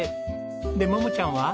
で桃ちゃんは？